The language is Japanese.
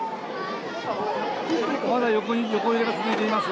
まだ横揺れが続いています。